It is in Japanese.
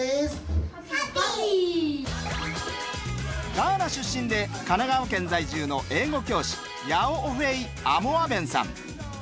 ガーナ出身で神奈川県在住の英語教師ヤオオフェイ・アモアベンさん。